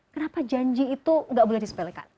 kenapa janji itu gak boleh disepelkan